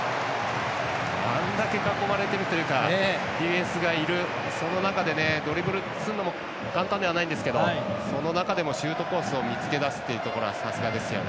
あれだけ囲まれてるというかディフェンスがいる、その中でドリブルするのも簡単ではないんですけどその中でもシュートコースを見つけだすのはさすがですよね。